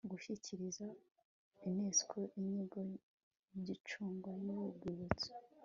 gushyikiriza unesco inyigo y'icungwa ry'urwibutso